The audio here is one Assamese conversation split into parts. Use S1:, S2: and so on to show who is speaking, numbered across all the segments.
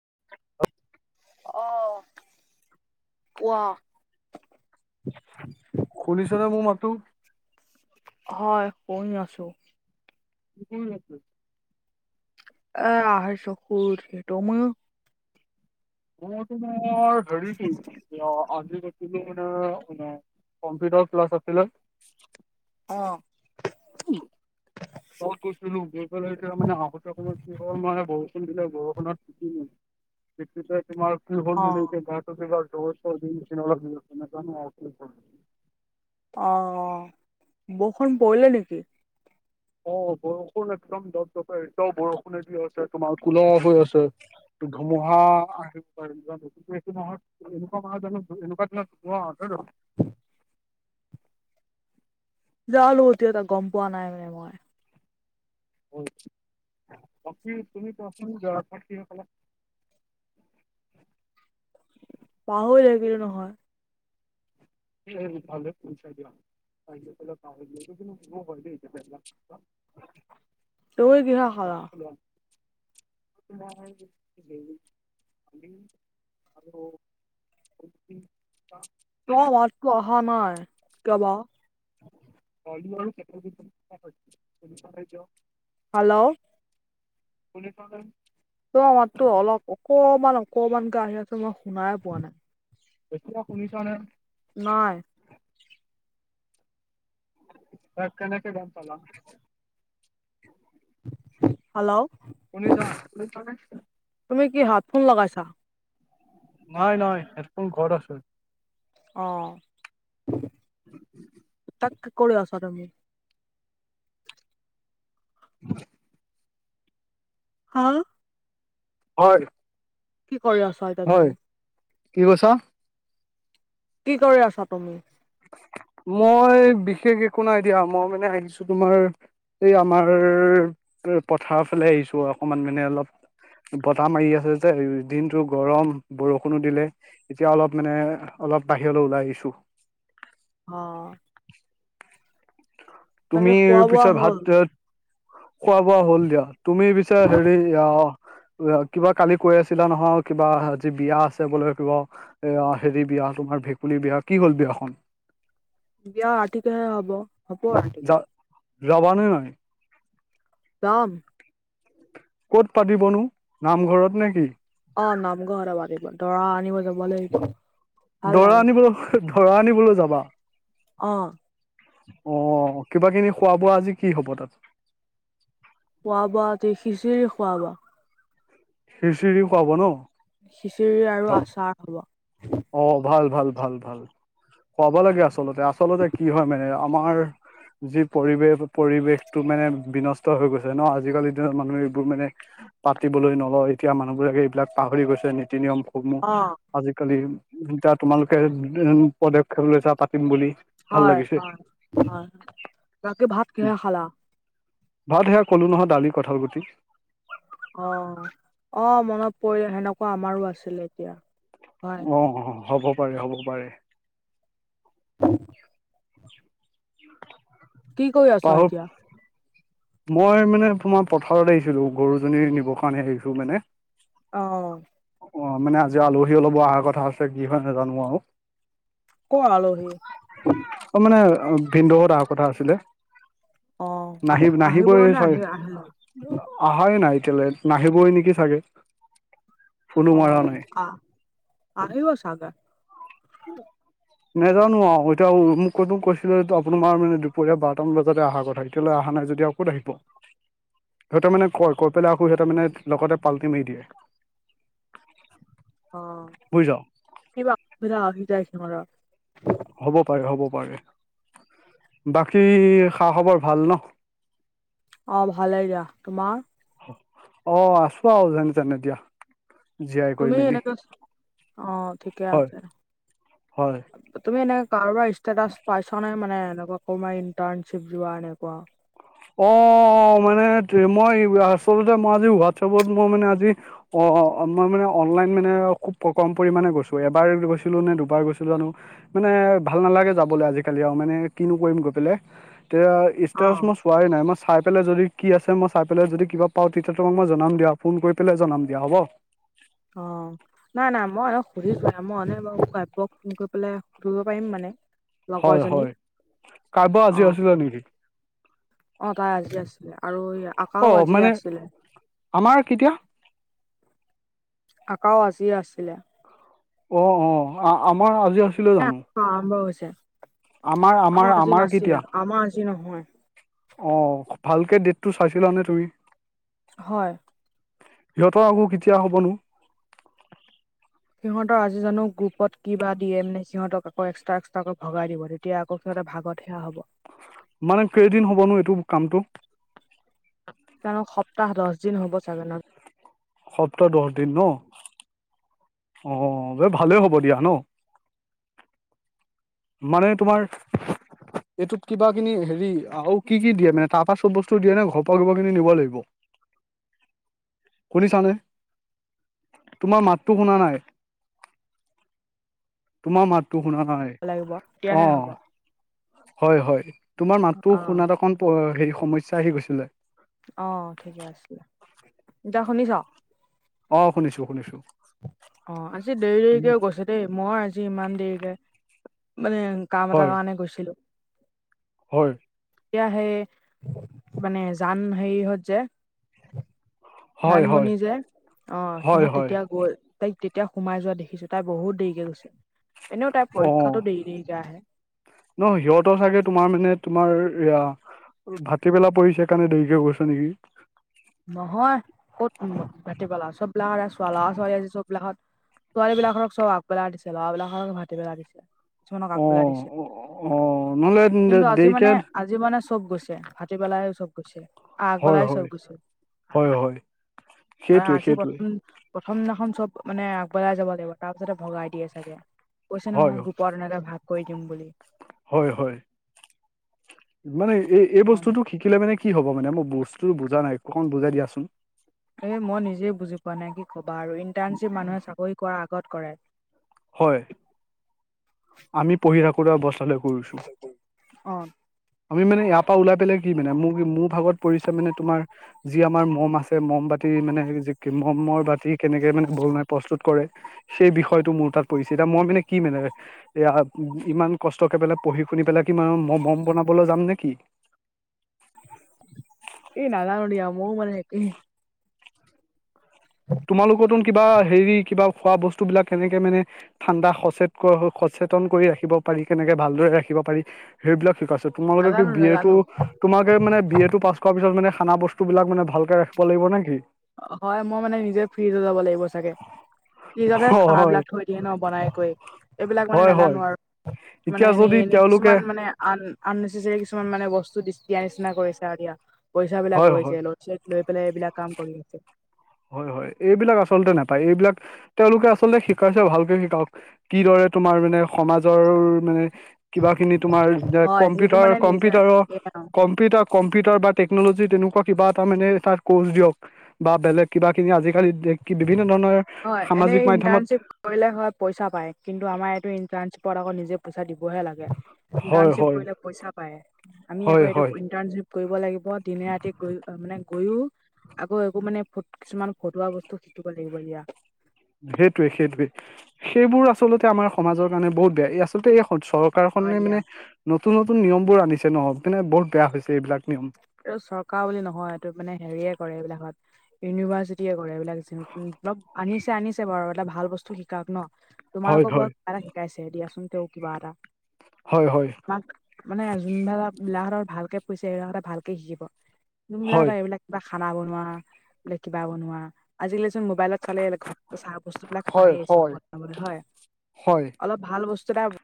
S1: [unintelligible]
S2: অ কোৱা
S1: শুনিছ নে মোৰ মাতটো
S2: হয় শুনি আছো
S1: [unintelligible]
S2: এ আহিছো শুই উঠি তুমি
S1: মই তোমাৰ হেৰি আজি [unintelligible] কম্পিউটাৰ ক্লাছ আছিলে
S2: অ [unintelligible]
S1: কত কৈছিলো [unintelligible] গৈ পেলাই এতিয়া মানে আহোতে সময়ত কি হ'ল মানে বৰষুণ দিলে বৰষুণত উম দেখিছাই তোমাৰ কি হ'ল মানে
S2: অ',
S1: এতিয়া গাটো কিবা জ্বৰ চৰ্দি নিচিনা অলপ সেনেকা [unintelligible]
S2: অ অ বৰষুণ পৰিলে নেকি
S1: অ বৰষুণ একদম দপ দপে এতিয়াও বৰষুণে দি আছে তোমাৰ কুলাহ হৈ আছে ধুমুহা আহিব আহিব পায় [unintelligible] এনেকুৱা মাহত জানোঁ এনেকুৱা দিনত ধুমুহা আহে জানো
S2: যা নো এতিয়া তা গম পোৱা নাই মানে মই
S1: হয় বাকী তুমি কোৱাচোন দৰাচাকি সকলক
S2: পাহৰি থাকিলো নহয়
S1: এই ভালে পচাই দিয়া [unintelligible]
S2: তুমি কিহে খালা?
S1: [unintelligible]
S2: [unintelligible]
S1: মই, ভিনি, আমি আৰু [unintelligible]
S2: তোমাৰ মাত অহা নাই কিয়বা
S1: [unintelligible]
S2: হেল্ল'
S1: শুনিছা নে
S2: তোমাৰ মাতটো অলপ অকমান অকমান কে আহি আছে মই শুনাই পোৱা নাই
S1: এতিয়া শুনিছা নে
S2: নাই
S1: তই কেনেকে গম পালা
S2: হেল্ল'
S1: শুনিছ, শুনিছনে
S2: তুমি কি হেডফোন লগাইছা
S1: নাই নাই হেডফোন ঘৰত আছে
S2: অ
S1: [unintelligible]
S2: তাক কি কৰি আছা তুমি
S1: [unintelligible]
S2: হা
S1: হয়
S2: কি কৰি আছ [inaudible]
S1: হয় কি কৈছ
S2: কি কৰি আছ তুমি
S1: মই বিশেষ একো নাই দিয়া মই মানে আহিছো তোমাৰ এই আমাৰ পথাৰ ফালে আহিছো অকমান মানে অলপ বতাহ মাৰি আছে যে দিনতটো গৰম বৰষুণো দিলে এতিয়া অলপ মানে অলপ বাহিৰলে ওলাই আহিছো
S2: অ
S1: তুমি
S2: বাকী খোৱা বোৱা
S1: পিছে ভাত
S2: হ'ল
S1: খোৱা বোৱা হ'ল দিয়া তুমি পিছে হেৰি এ কিবা কালি কৈ আছিলা নহয় কিবা আজি বিয়া আছে বোলে কিবা এয়া হেৰি বিয়া তোমাৰ ভেকুলী বিয়া কি হ'ল বিয়াখন
S2: বিয়া ৰাতিকেহে হব হ'ব ৰাতিকে
S1: যাব নে নাই
S2: যাম
S1: ক'ত পাতিবনো নামঘৰত নে কি
S2: অ নামঘৰতে পাতিব দৰা আনিব যাব লাগিব ভাল
S1: দৰা
S2: লাগে
S1: আনিব দৰা আনিবলৈ যাবা
S2: অ
S1: অ কিবা কিবি খোৱা বোৱা আজি কি হ'ব তাত
S2: খোৱা বোৱা আনি খিচিৰি খোৱাব
S1: খিচিৰি খুৱাব ন
S2: খিচিৰি আৰু আচাৰ হ'ব
S1: অ ভাল ভাল ভাল ভাল খুৱাব লাগে আচলতে আচলতে কি হয় মানে আমাৰ যি পৰিৱেশ পৰিৱেশটো মানে বিনষ্ট হৈ গৈছে ন আজিকালিৰ দিনত মানুহে এইবোৰ মানে পাতিবলৈ নলয় এতিয়া মানুহবোৰে এইবিলাক পাহৰি গৈছে নীতি নিয়মসমূহ
S2: অ
S1: আজিকালি যেতিয়া তোমালোকে পদক্ষেপ লৈছা পাতিম বুলি ভাল
S2: হয়
S1: লাগিছে
S2: হয় হয় ৰাতি ভাত কিহেৰে খালা
S1: ভাত সেয়া কলো নহয় দালি কঁঠাল গুটি
S2: অ অ মনত পৰিলে সেনেকুৱা আমাৰো আছিলে এতিয়া হয়
S1: অ হ'ব পাৰে হ'ব পাৰে
S2: উ [unintelligible]
S1: উ [unintelligible]
S2: কি কৰি আছ এতিয়া
S1: মই মানে তোমাৰ পথাৰত আহিছিলো গৰুজনী নিবৰ কাৰণে আহিছো মানে
S2: অ
S1: অ মানে আজি আলহী অলপ অহাৰ কথা আছে কি হয় নাজানো আৰু
S2: ক আলহি
S1: অ মানে ভিনদেউহত আহাঁ কথা আছিলে।
S2: অ আহিব নে আহি আহিলে
S1: অহাই নাই এতিয়ালৈ নাহিবই নেকি চাগে ফোনো
S2: অ
S1: মৰা নাই
S2: আহ আহিব চাগে [unintelligible]
S1: নেজানো আও এতিয়া মোক কৰিব কৈছিলে আপোনাৰ মানে দুপৰীয়া বাৰটা মান বজাতে অহাৰ কথা এতিয়া লৈ অহা নাই যদি আও কত আহিব
S2: [unintelligible]
S1: সিহঁতেৰ মানে কয় কৈ পেলাই আকৌ সিহঁতেৰ মানে লগতে পাল্টি মাৰি দিয়ে।
S2: অ
S1: বুজিছ।
S2: [unintelligible]
S1: হ'ব পাৰে হ'ব পাৰে। বাকী খা খবৰ ভাল ন।
S2: অঁ ভালেই দিয়া, তোমাৰ?
S1: অ আছো আও যেন তেনে এতিয়া।
S2: তুমি এনেকা, অঁ ঠিকে
S1: হয়
S2: আছে।
S1: হয়
S2: তুমি এনেকা কাৰোবাৰ ষ্টেটাচ পাইছা নে মানে এনেকুৱা কবাৰ ইণ্টাৰ্ণশ্বিপ যোৱা এনেকুৱা।
S1: অ মানে মই আচলতে মই আজি হোৱাটছএপত মই মানে আজি অ মই মানে অনলাইন মানে খুব কম পৰিমামানে গৈছো, এবাৰ গৈছিলো নে দুবাৰ গৈছিলো জনো। মানে ভাল নালাগে যাবলে আজিকালি আৰু মানে কিনো কৰিম গৈ পেলাই, তেতিয়া
S2: অ
S1: ষ্টাৰ্ছ মছ চোৱাই নাই মই চাই পেলাই যদি কি আছে মই চাই পেলাই যদি কিবা পাওঁ তেতিয়া তোমাক মই জনাম দিয়া ফোন কৰি পেলাই জনাম দিয়া হ'ব।
S2: অঁ নাই নাই মই হক সুধিছোহে মই বাৰ গাব্যক ফোন কৰি পেলাই সুধিব পাৰিম মানে।
S1: হয়
S2: লগৰজনীক
S1: হয়, কাৰোবাৰ আজি আছিলে নেকি?
S2: অঁ তাই আজি আছিলে আৰু। আকাও
S1: অ
S2: আজি
S1: মানে
S2: আছিলে
S1: আমাৰ কেতিয়া?
S2: আকাও আজি আছিলে।
S1: অ অঁ আমাৰ আজি আছিলে জানো।
S2: অ আৰম্ভ হৈছে, আমাৰ আজি নাছিলে। আমাৰ আজি নহয়।
S1: অঁ ভালকে ডেটটো চাইছিলা নে তুমি?
S2: হয়।
S1: সিহঁৰ আকৌ কেতিয়া হ'বনো?
S2: সিহঁতৰ আজি জানো গ্ৰুপত কিবা দিয়েনে সিহঁতক এক্সটা এক্সটাকে ভগাই দিলোঁ। এতিয়া আকৌ সিহঁতে ভাগত সেৱা হ'ব।
S1: মানে কেইদিন হ'বনো এইটো কামটো।
S2: কাৰণ সপ্তাহ দছ দিন হ'ব চাগে আৰু।
S1: সপ্তাহ দহ দিন ন। অঁ এ ভালেই হ'ব দিয়া ন। মানে তোমাৰ এইটোত কিবা কিনি হেৰি আৰু কি কি দিয়ে মানে তাৰপা চব বস্তু দিয়ে নে ঘৰ পৰা কিবা কিনি নিব লাগিব।
S2: [inaudible]
S1: শুনিছানে? তোমাৰ মাতটো শুনা নাই। তোমাৰ মাততো শুনা নাই।
S2: লাগিব। তেতিয়াহে
S1: অঁ
S2: হ'ব
S1: হয় হয়, তোমাৰ মাতটো
S2: অ
S1: শুনাত অকণ হেৰি সমস্যা আহি গৈছে। খিলে।
S2: অঁ, ঠিকে আছিলে। এতিয়া শুনিছ?
S1: অঁ শুনিছো শুনিছো।
S2: অঁ আজি দেৰি দেৰিকে গৈছে দেই মই আজি ইমান দেৰিকে মানে- কাম এটা
S1: হয়
S2: কাৰণে গৈছিলো।
S1: হয়।
S2: এতিয়া সেই মানে জান হেৰি হত যে
S1: হয় হয়,
S2: জানমণি যে অঁ
S1: হয়
S2: সিহঁত
S1: হয়,
S2: তেতিয়া গ'ল। তাইক তেতিয়া সোমাই যোৱা দেখিছোঁ। তাই বহুত দেৰিকে গৈছে, এনেও তাইৰ
S1: অ'।
S2: পৰীক্ষাতো দেৰি দেৰিকে আহে।
S1: ন সিহঁতৰ চাগে তোমাৰ মানে তোমাৰ এয়া ভাতিবেলা পৰিছে কাৰণে দেৰিকে গৈছে নেকি?
S2: নহয় ক'ত ভাটিবেলা চববিলাকত চ ল'ৰা- ছোৱালী আছে চববিলাকত ছোৱালীবিলাকক চব আগবেলাই দিছে, ল'ৰাবিলাকক ভাটিবেলাত দিছে। কিছুমানক
S1: অ
S2: আগবেলাই দিছে,
S1: অ অ নহ'লে
S2: কিন্তু আজি মানে
S1: দেৰিকে
S2: আজি মানে চব গৈছে ভাটিবেলাই চব গৈছে।
S1: হয়
S2: আগবেলাই চব
S1: -হয়
S2: গৈছে
S1: -হয়- হয়।
S2: মানে
S1: সেইটোৱে
S2: আজি
S1: সেইটোৱে
S2: প্ৰথম প্ৰথম দিনাখন চব মানে আগবেলাই যাব লাগিব তাৰ পিছতে ভগাই দিয়ে চাগে। কৈছে
S1: হয়
S2: নহয় গোপত এনেকে ভাগ কৰি দিম বুলি।
S1: হয়, হয়। মানে এই এই
S2: অ
S1: বস্তুটো শিকিলে মানে কি হ'ব মানে? মই বস্তুটো বুজা নাই অকন বুজাই দিয়াচোন।
S2: এই মই নিজে বুজি পোৱা নাই কি ক'বা আৰু ইণ্টাৰ্ণশ্বিপ মানুহে চাকৰি কৰাৰ আগত কৰে।
S1: হয়। আমি পঢ়ি থাকোঁতে অৱস্থালৈ কৰিছো।
S2: অ
S1: আমি মানে ইয়াৰ পৰা ওলাই পেলাই কি মানে মোৰ মোৰ ভাগত পৰিছে মানে তোমাৰ যি আমাৰ মম আছে মম বাতি মানে মমৰ বাতি কেনেকে মানে বনাই প্ৰস্তুত কৰে। সেই বিষয়টো মোৰ তাত পৰিছে এতিয়া মই মানে কি মানে এয়া ইমান কষ্টকে পেলাই পঢ়ি শুনি পেলাই কি মম বনাবলৈ যাম নেকি?
S2: এই নাজানোঁ দিয়া, মই ও মানে একে।
S1: তোমালোকৰতো কিবা হেৰি কিবা খোৱা বস্তুবিলাক কেনেকে মানে ঠাণ্ডা সচেত সচেতন কৰি ৰাখিব পাৰি কেনেকে ভালদৰে ৰাখিব পাৰি সেইবিলাক শিকাইছে। তোমালোকে কি
S2: নাজানো
S1: বি এ টো
S2: নাজানো
S1: তোমালোকে মানে বি এ টো পাছ কৰাৰ পিছত মানে খানা বস্তুবিলাক মানে ভালকে ৰাখিব লাগিব নে কি?
S2: হয় মই মানে নিজে ফ্ৰিজ হৈ যাব লাগিব চাগে। ফ্ৰিজতহে
S1: অ
S2: খানা
S1: হয়
S2: বিলাক থৈ দিয়ে ন বনাই কৈ এইবিলাক মানে
S1: হয় হয়
S2: নাজানো আৰু মানে
S1: এতিয়া
S2: এনেই
S1: যদি
S2: এনে
S1: তেওঁলোকে
S2: কিছুমান মানে আন আননেচেচাৰী কিছুমান মানে বস্তু দি দিয়া নিচিনা কৰিছে আৰু দিয়া পইচাবিলাক
S1: হয় হয়
S2: লৈছে। লৈ পেলাই এইবিলাক কাম কৰি আছে।
S1: হয়, হয় এইবিলাক আচলতে নাপায়। এইবিলাক তেওঁলোকে আচলতে শিকাইছে ভালকে শিকাওক, কিদৰে তোমাৰ মানে সমাজৰ মানে কিবা খিনি তোমাৰ যে
S2: হয় যিহেতু
S1: কম্পিউটাৰ
S2: মানে নিজে
S1: কম্পিউটাৰৰ
S2: এ
S1: ক মপিউটাৰ কম্পিউটাৰ বা টেকনলজি তেনেকুৱা কিবা এটা মানে এটা ক'ৰ্চ দিয়ক, বা বেলেগ কিবা কিবি আজিকালি বিভিন্ন ধৰণৰ
S2: হয় এনেই
S1: সামাজিক মাধ্যমত
S2: ইণ্টাৰ্ণশ্বিপ কৰিলে হয় পইচা পায়, কিন্তু আমাৰ এইটো ইন্টাৰ্ণশ্বিপত আকৌ নিজে পইচা দিবহে লাগে।
S1: হয়
S2: ইণ্টাৰ্ণশ্বিপ
S1: হয়
S2: কৰিলে পইচা পায়। আমি আকৌ
S1: হয়
S2: এই
S1: হয়
S2: ইন্টাৰ্ণৰ্শ্বিপ কৰিব লাগিব দিনে ৰাতি গৈ মানে গৈয়ো আকৌ একো মানে ফু কিছুমান ফটুৱা বস্তু টো শিকিব লাগিব দিয়া।
S1: সেইটোৱে সেইটোৱে সেইবোৰ আচলতে আমাৰ সমাজৰ কাৰণে বহুত বেয়া। এই আচলতে এই চৰ
S2: হয়
S1: কাৰখনে
S2: দিয়া
S1: মানে নতুন নতুন নিয়মবোৰ আনিছে ন মনে বহুত বেয়া হৈছে এইবিলাক নিয়ম।
S2: এই চৰকাৰ বুলি নহয় এইটো মানে হেৰিয়ে কৰে এইবিলাকত ইউনিভাৰ্চিটিয়ে কৰে এইবিলাক য অলপ আনিছে আনিছে বাৰু এটা ভাল বস্তু শিকাৱক ন।
S1: হয়
S2: তোমালোকক
S1: হয়
S2: বাৰু কিবা এটা শিকাইছে দিয়াচোন তেওঁ কিবা এটা।
S1: হয়, হয়।
S2: মানে যোনবিলাক বিলাকহতৰ ভালকে পঢ়ি ছে এইবিলাকাহঁতে ভালকে শিকিব,
S1: হয়
S2: যোনবিলাকহতে এইবিলাক কা খানা বনোৱা ন কিবা বনোৱা আজিকালি চোন মোবাইলত চালে ঘ চাহ বস্তুবিলাক
S1: হয়
S2: পায় আছো
S1: হয়
S2: চব পাবলে হয়,
S1: হয়
S2: অলপ ভাল বস্তু এটা -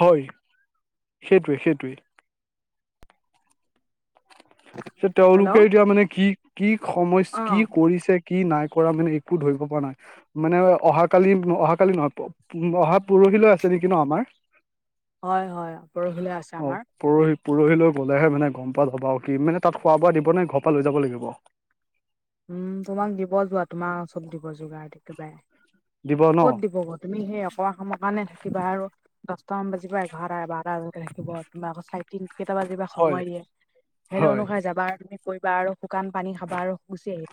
S1: হয়, সেইটোৱে সেইটোৱে।
S2: হেল্ল'
S1: তেওঁলোকে এতিয়া মানে কি কি সময়ত
S2: অ
S1: কি কৰিছে - কি নাই কৰা মানে একো ধৰিব পৰা নাই।। মানে অহাকালি অহাকালি নহয় অহা পৰহিলৈ আছে নেকি ন আমাৰ?
S2: হয়, হয়। পৰহিলে আছে
S1: অ
S2: আমাৰ।
S1: পৰহি পৰহিলৈ গ'লেহে মানে গম পোৱা যাব আও, কি মানে তাত খোৱা বোৱা দিব নে ঘৰ পৰা লৈ যাব লাগিব?
S2: উম তোমাক দিব যোৱা তোমাৰ চব দিব যোগাৰ একেবাৰে।
S1: দিব ন
S2: ক'ত দিবগৈ, তুমি সেই অকৰা সময়ৰ কাৰণে থাকিবা আৰু দহটামান বাজিব- এঘাৰটা বাৰটা বজালেকে থাকিব, তোমাৰ আকৌ চাৰে তিন কেইটা বাজিব বা সময় দিয়ে। সেইটো অনুসাৰে যাবা আৰু তুমি কৰিবা আৰু শুকান পানী খাবা আৰু গুছি আহিবা।